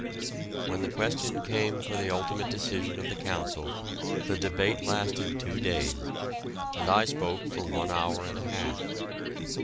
When the question came for the ultimate decision of the Council the debate lasted two days, and I spoke for one hour and a half.